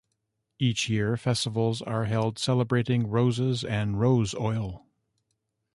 Each year, festivals are held celebrating roses and rose oil.